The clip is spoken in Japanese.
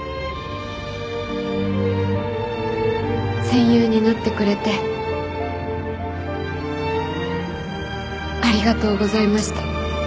戦友になってくれてありがとうございました。